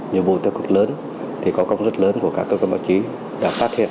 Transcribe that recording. nhiệm vụ tiêu cực lớn thì có công rất lớn của các cơ quan báo chí đã phát hiện